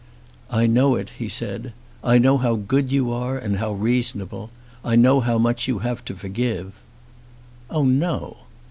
"I know it," he said. "I know how good you are and how reasonable. I know how much you have to forgive." "Oh, no."